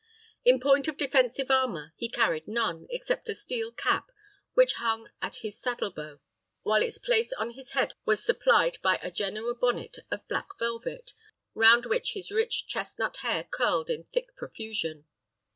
In point of defensive armour, he carried none, except a steel cap, which hung at his saddle bow, while its place on his head was supplied by a Genoa bonnet of black velvet, round which his rich chesnut hair curled in thick profusion.